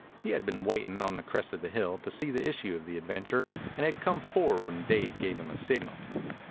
He had been waiting on the crest of the hill to see the issue of the adventure and had come forward when Dave gave him a signal.